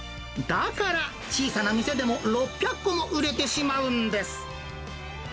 だから、小さな店でも６００個も売れてしまうんです。